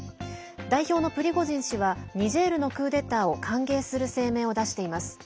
代表のプリゴジン氏はニジェールのクーデターを歓迎する声明を出しています。